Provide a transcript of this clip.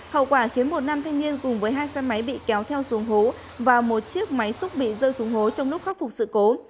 hậu quả khiến một nam thanh niên cùng với hai xe máy bị kéo theo xuống hố và một chiếc máy xúc bị rơi xuống hố trong lúc khắc phục sự cố